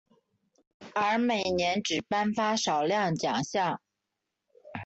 而每年只颁发少量奖项。